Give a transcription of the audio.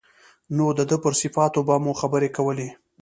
نو د ده پر صفاتو به مو خبرې کولې.